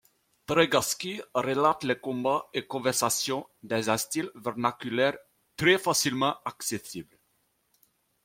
Tregaskis relate les combats et conversation dans un style vernaculaire très facilement accessible.